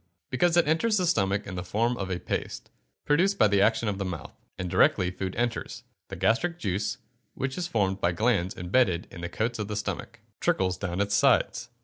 _ Because it enters the stomach in the form of a paste, produced by the action of the mouth; and directly food enters, the gastric juice, which is formed by glands embedded in the coats of the stomach, trickles down its sides.